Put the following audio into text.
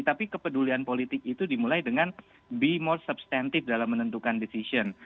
tapi kepedulian politik itu dimulai dengan be more substantif dalam menentukan decision